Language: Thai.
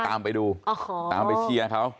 ตามไปดูตามไปเชียร์เขา